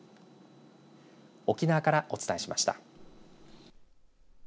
沖縄からお伝えしました。